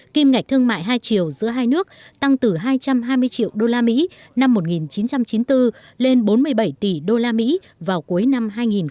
kim ngạch thương mại hai triệu giữa hai nước tăng từ hai trăm hai mươi triệu đô la mỹ năm một nghìn chín trăm chín mươi bốn lên bốn mươi bảy tỷ đô la mỹ vào cuối năm hai nghìn một mươi sáu